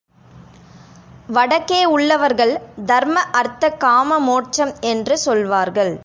வடக்கே உள்ளவர்கள் தர்ம அர்த்த காம மோட்சம் என்று சொல்வார்கள்.